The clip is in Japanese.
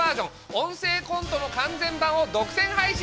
「音声コント」の完全版を独占配信。